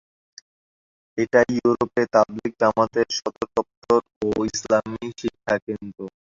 এটা ইউরোপে তাবলিগ জামাতের সদর দপ্তর ও ইসলামী শিক্ষা কেন্দ্র।